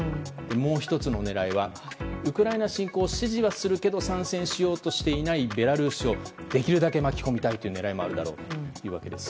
もう１つの狙いはウクライナ侵攻支持はするけど参戦しようとしていないベラルーシをできるだけ巻き込みたいという狙いもあるだろうというわけです。